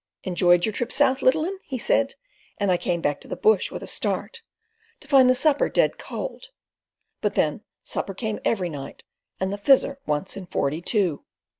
"Enjoyed your trip south, little 'un?" he said, and I came back to the bush with a start, to find the supper dead cold. But then supper came every night and the Fizzer once in forty two.